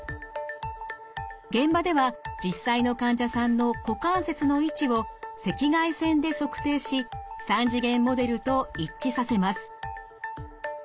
現場では実際の患者さんの股関節の位置を赤外線で測定し３次元モデルと一致させます。